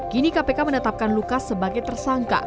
kini kpk menetapkan lukas sebagai tersangka